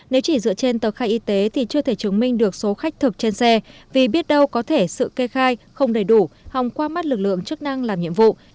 nếu chỉ dựa trên tờ khai y tế thì chưa thể chứng minh được số khách thực trên xe vì biết đâu có thể sự kê khai không đầy đủ hòng qua mắt lực lượng chức năng làm nhiệm vụ